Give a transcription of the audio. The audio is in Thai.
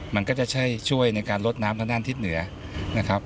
มันก็จะใช่ช่วยในการลดน้ำทางด้านทิศเหนือนะครับ